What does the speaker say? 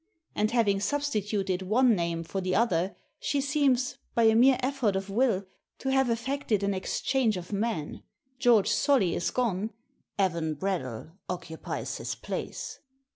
And, having substituted one name for the other, she seems, by a mere effort of will, to have effected an exchange of men: George Solly is gone, Evan Bradell occupies his place.